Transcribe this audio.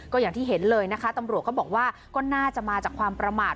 ก็อย่างที่เห็นเลยนะคะตำรวจก็บอกว่าก็น่าจะมาจากความประมาท